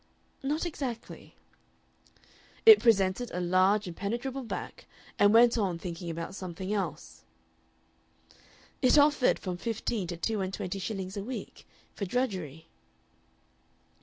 "Not exactly." "It presented a large impenetrable back, and went on thinking about something else." "It offered from fifteen to two and twenty shillings a week for drudgery."